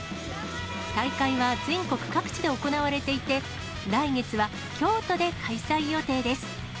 大会は全国各地で行われていて、来月は京都で開催予定です。